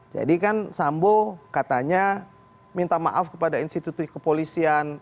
jadi kan sambo katanya minta maaf kepada institusi kepolisian